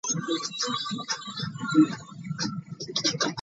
The area is surrounded by wide sidewalks, landscaped gardens, and one-way streets.